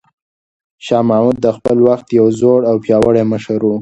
شاه محمود د خپل وخت یو زړور او پیاوړی مشر و.